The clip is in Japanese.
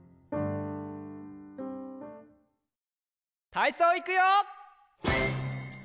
たいそういくよ！